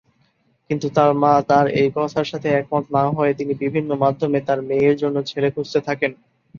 কিন্তু তার মা তার এই কথার সাথে একমত না হয়ে তিনি বিভিন্ন মাধ্যমে তার মেয়ের জন্য ছেলে খুঁজতে থাকেন।